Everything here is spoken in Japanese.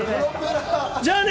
じゃあね！